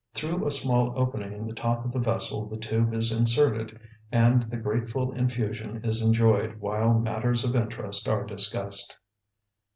Through a small opening in the top of the vessel the tube is inserted and the grateful infusion is enjoyed while matters of interest are discussed.